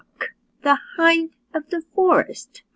THE HIND OF THE FOREST.